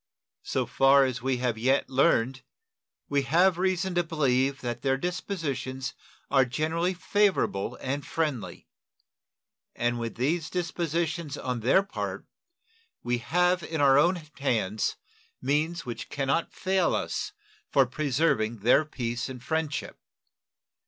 So far as we have yet learned, we have reason to believe that their dispositions are generally favorable and friendly; and with these dispositions on their part, we have in our own hands means which can not fail us for preserving their peace and friendship.